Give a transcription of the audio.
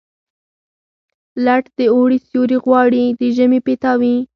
لټ د اوړي سیوري غواړي، د ژمي پیتاوي.